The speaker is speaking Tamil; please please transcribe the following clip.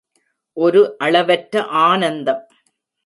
ஒரு அளவற்ற ஆனந்தம்.